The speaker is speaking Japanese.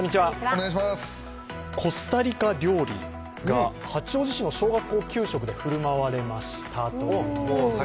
コスタリカ料理が八王子市の小学校給食で振る舞われましたということです。